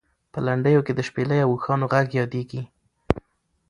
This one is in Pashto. په لنډیو کې د شپېلۍ او اوښانو غږ یادېږي.